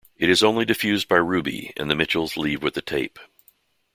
It is only diffused by Ruby, and the Mitchells leave with the tape.